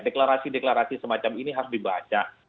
deklarasi deklarasi semacam ini harus dibaca